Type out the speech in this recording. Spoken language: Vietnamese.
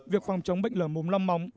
việc phòng chống bệnh lở mồm long móng